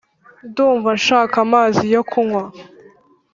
ndumva nshaka amazi yo kunywa